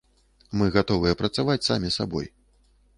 Мы гатовыя працаваць самі сабой.